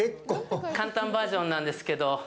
簡単バージョンなんですけど。